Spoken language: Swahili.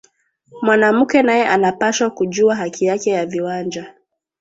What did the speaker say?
Mwanamuke naye ana pashwa kujua haki yake ya viwanja